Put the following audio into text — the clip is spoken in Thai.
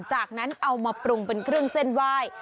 จากนั้นเอามาปรุงเป็นเครื่องเส้นไหว้